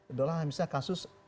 adalah misalnya kasus